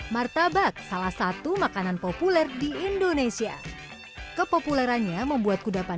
martabak salah satu makanan populer di indonesia kepopulerannya membuat kudapan